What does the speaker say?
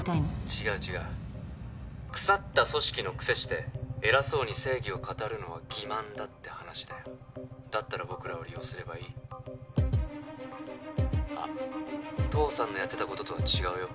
違う違う腐った組織のくせして偉そうに正義を語るのは欺まんだって話だよだったら僕らを利用すればいいあっ父さんのやってたこととは違うよ